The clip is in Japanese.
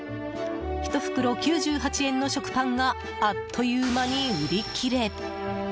１袋９８円の食パンがあっという間に売り切れ。